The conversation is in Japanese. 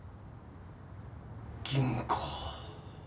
吟子。